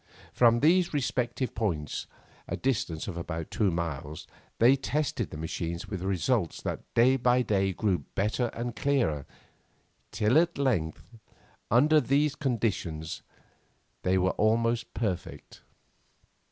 From these respective points, a distance of about two miles, they tested the machines with results that day by day grew better and clearer, till at length, under these conditions they were almost perfect.